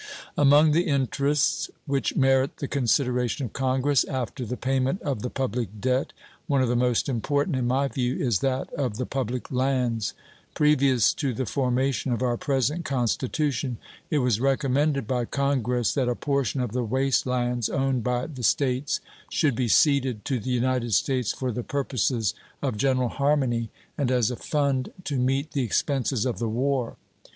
Among the interests which merit the consideration of Congress after the payment of the public debt, one of the most important, in my view, is that of the public lands. Previous to the formation of our present Constitution it was recommended by Congress that a portion of the waste lands owned by the States should be ceded to the United States for the purposes of general harmony and as a fund to meet the expenses of the war.